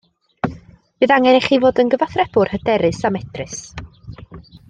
Bydd angen i chi fod yn gyfathrebwr hyderus a medrus